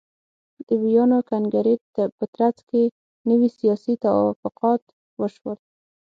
د ویانا کنګرې په ترڅ کې نوي سیاسي توافقات وشول.